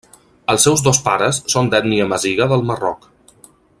Els seus dos pares són d'ètnia amaziga del Marroc.